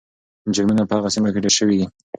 جرمونه په هغو سیمو کې ډېر سوي وو.